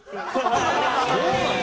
そうなの？